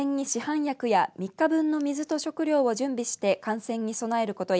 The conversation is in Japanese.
また事前に市販薬や３日分の水と食料を準備して感染に備えることや